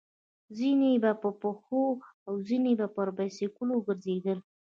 ځينې به په پښو او ځينې پر بایسکلونو ګرځېدل.